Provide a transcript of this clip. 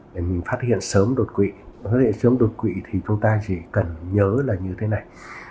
để mình phát hiện sớm đột quỵ có thể sớm đột quỵ thì chúng ta chỉ cần nhớ là như thế này